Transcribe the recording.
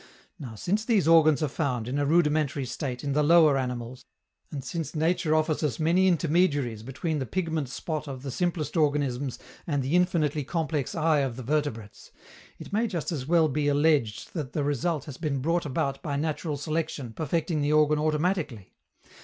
Now, since these organs are found, in a rudimentary state, in the lower animals, and since nature offers us many intermediaries between the pigment spot of the simplest organisms and the infinitely complex eye of the vertebrates, it may just as well be alleged that the result has been brought about by natural selection perfecting the organ automatically.